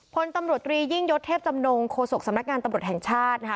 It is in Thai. พลตำรวจตรียิ่งยศเทพจำนงโฆษกสำนักงานตำรวจแห่งชาตินะคะ